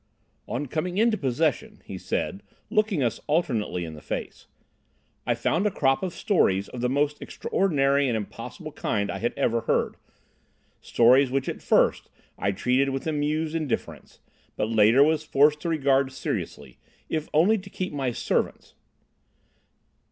"On coming into possession," he said, looking us alternately in the face, "I found a crop of stories of the most extraordinary and impossible kind I had ever heard—stories which at first I treated with amused indifference, but later was forced to regard seriously, if only to keep my servants.